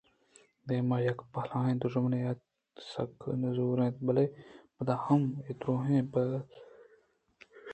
دیم ءَ یک بلاہیں دُژمنے اَت ءُآسک نزور اَت بلئے پد ا ہم اے دُرٛاہیں پگر ءَ ابید دوشیگیں شپ ءِ وشیاں بئیر ءِ قدحءَ رتکگیں کوتے آپاں آئی دل ءَ را توانے بکشتگ اَت